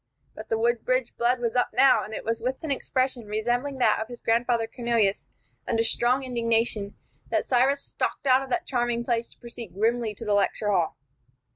But the Woodbridge blood was up now, and it was with an expression resembling that of his grandfather Cornelius under strong indignation that Cyrus stalked out of that charming place to proceed grimly to the lecture hall.